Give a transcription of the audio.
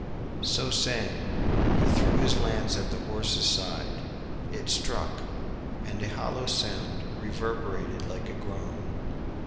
] So saying he threw his lance at the horse's side. It struck, and a hollow sound reverberated like a groan.